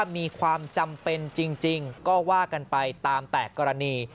มีความจำเป็นจริงก็ว่ากันไปตามแต่กรณี